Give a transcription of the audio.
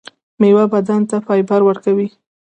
میوه بدن ته فایبر ورکوي